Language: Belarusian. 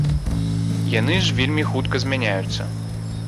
Яны ж вельмі хутка змяняюцца.